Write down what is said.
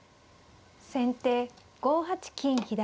先手５八金左。